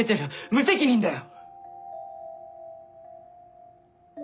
無責任だよ。